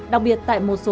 đặc biệt tại mùa xuân